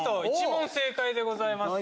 １問正解でございます。